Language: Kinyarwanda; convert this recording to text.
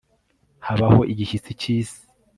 habaho igishyitsi cyisi